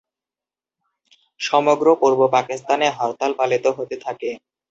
সমগ্র পূর্ব পাকিস্তানে হরতাল পালিত হতে থাকে।